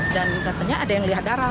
dan katanya ada yang melihat darah